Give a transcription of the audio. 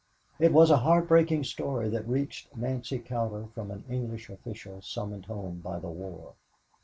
It was a heart breaking story that reached Nancy Cowder from an English official summoned home by the war.